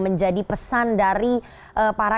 menjadi pesan dari para